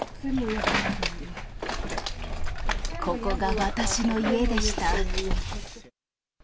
ここが私の家でした。